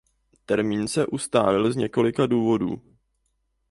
Termín se ustálil z několika důvodů.